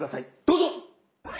どうぞ。